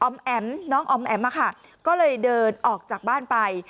อ๋อมแอมน้องอ๋อมแอมอะค่ะก็เลยเดินออกจากบ้านไป